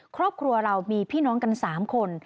ครอบครัวเรามีพี่น้องกัน๓คน